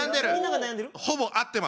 ほぼ合ってます。